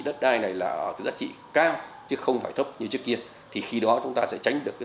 đất đai này là cái giá trị cao chứ không phải thấp như trước kia thì khi đó chúng ta sẽ tránh được cái